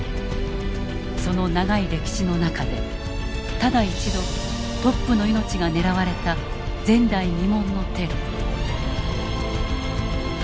その長い歴史の中でただ一度トップの命が狙われた前代未聞のテロ。